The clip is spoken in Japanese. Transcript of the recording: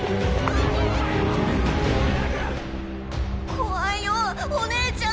怖いよお姉ちゃん！